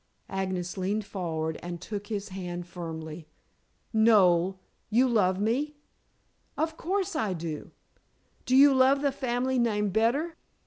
Agnes leaned forward and took his hand firmly. "Noel, you love me?" "Of course I do." "Do you love the family name better?"